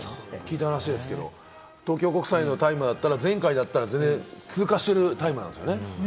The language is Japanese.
聞いた話ですけれども、東京国際のタイムだったら、前回は通過しているタイムなんですよね。